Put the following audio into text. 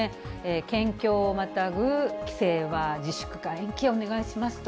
県境をまたぐ帰省は自粛か延期をお願いしますと。